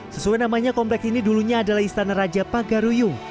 sesuai namanya kompleks ini dulunya adalah istana raja pagaruyung